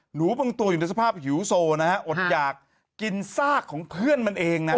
บางตัวอยู่ในสภาพหิวโซนะฮะอดอยากกินซากของเพื่อนมันเองนะ